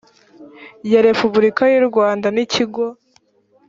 ya repubulika y u rwanda n ikigo